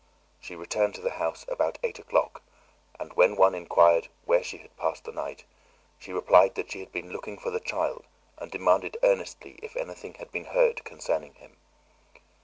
She returned to the house about eight o'clock, and when one inquired where she had passed the night, she replied that she had been looking for the child and demanded earnestly if anything had been heard concerning him.